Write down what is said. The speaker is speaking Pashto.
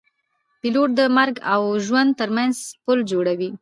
پیلوټ د مرګ او ژوند ترمنځ پل جوړوي.